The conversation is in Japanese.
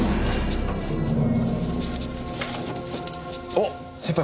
あっ先輩